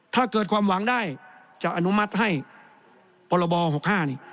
ถ้าเกิดความหวังได้จะอนุมัติให้พรบ๖๕นี่